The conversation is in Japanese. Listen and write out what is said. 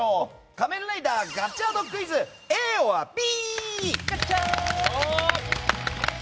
仮面ライダーガッチャードクイズＡｏｒＢ！